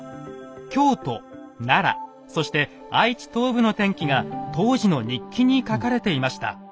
京都奈良そして愛知東部の天気が当時の日記に書かれていました。